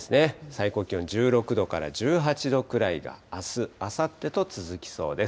最高気温１６度から１８度くらいが、あす、あさってと続きそうです。